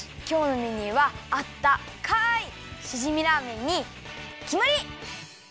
きょうのメニューはあったかいしじみラーメンにきまり！